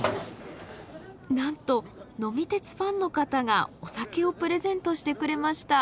なんと「呑み鉄」ファンの方がお酒をプレゼントしてくれました。